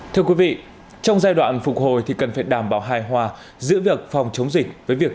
thưa quý vị trong giai đoạn phục hồi thì cần phải đảm bảo hài hòa giữa việc phòng chống dịch với việc